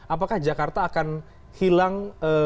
apakah jakarta akan hilang